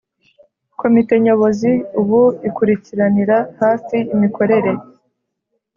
Komite Nyobozi ubu ikurikiranira hafi imikorere